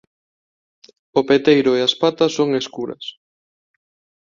O peteiro e as patas son escuras.